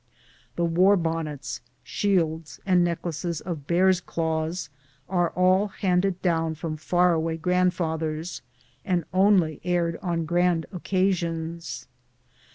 The war bonnets, shields, and necklaces of bear's claws are all handed down from far away grandfathers, and only aired on grand occasions.